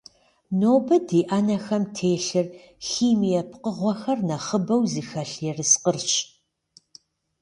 Нобэ ди ӏэнэхэм телъыр химие пкъыгъуэхэр нэхъыбэу зыхэлъ ерыскъырщ.